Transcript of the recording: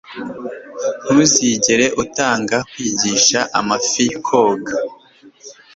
Ntuzigere utanga kwigisha amafi koga